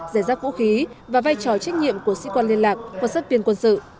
giải rác vũ khí và vai trò trách nhiệm của sĩ quan liên lạc hoặc sát viên quân sự